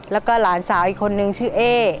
แล้วก็หลานสาวอีกคนนึงชื่อเอ๊